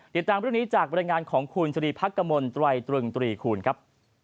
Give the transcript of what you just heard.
ติดตามเรื่องนี้จากบรรยายงานของคุณชรีพักกมลตรายตรึงตรีคูณครับ